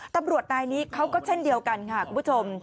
ตำรวจนายนี้เขาก็เช่นเดียวกันค่ะคุณผู้ชม